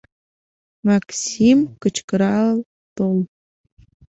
Максим кычкырал тол.